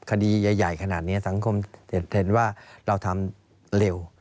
คดีใหญ่ขนาดนี้สังคมจะเห็นว่าเราทำเร็ว